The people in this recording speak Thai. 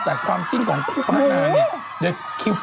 แต่ความจิ้นของปั้นนั้นเนี่ย